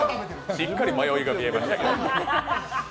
しっかり迷いが見えました。